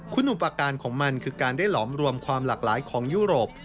คุณอุปการณ์ของมันคือการได้หลอมรวมความหลากหลายของยุโรป